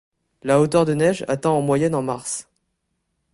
La hauteur de neige atteint en moyenne en mars.